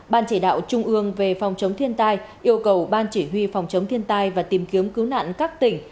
ban chỉ đạo trung ương về phòng chống thiên tai yêu cầu ban chỉ huy phòng chống thiên tai và tìm kiếm cứu nạn các tỉnh